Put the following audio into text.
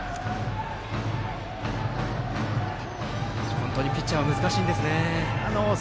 本当にピッチャーは難しいんですね。